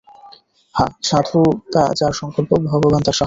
হাঁ, সাধু যার সংকল্প ভগবান তার সহায়।